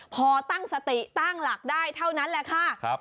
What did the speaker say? พอตั้งสติตั้งหลักได้เท่านั้นแหละค่ะ